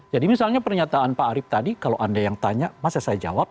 jadi misalnya pernyataan pak arief tadi kalau anda yang tanya masa saya jawab